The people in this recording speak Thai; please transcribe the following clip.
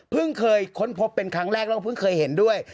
เคยค้นพบเป็นครั้งแรกแล้วก็เพิ่งเคยเห็นด้วย